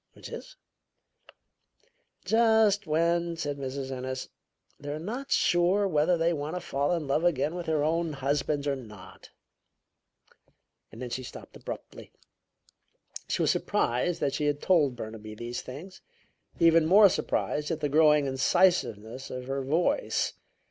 "Which is?" "Just when," said Mrs. Ennis, "they're not sure whether they want to fall in love again with their own husbands or not." Then she stopped abruptly. She was surprised that she had told Burnaby these things; even more surprised at the growing incisiveness of her voice.